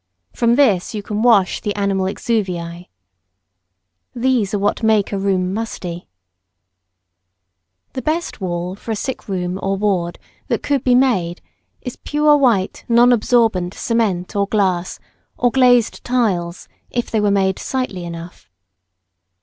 From this you can wash the animal exuviæ. These are what make a room musty. [Sidenote: Best kind of wall for a sick room.] The best wall for a sick room or ward that could be made is pure white non absorbent cement or glass, or glazed tiles, if they were made sightly enough.